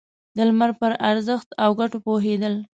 د لمر په ارزښت او گټو پوهېدل.